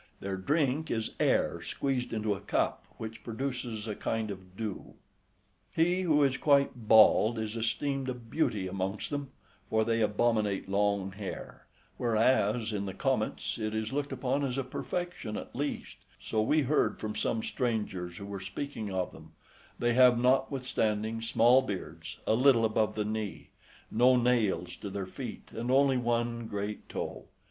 Their drink is air squeezed into a cup, which produces a kind of dew. He who is quite bald is esteemed a beauty amongst them, for they abominate long hair; whereas, in the comets, it is looked upon as a perfection at least; so we heard from some strangers who were speaking of them; they have, notwithstanding, small beards a little above the knee; no nails to their feet, and only one great toe.